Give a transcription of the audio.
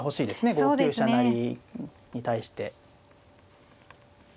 ５九飛車成に対して。